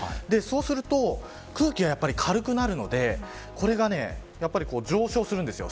すると空気が軽くなるのでこれが上昇するんですよ。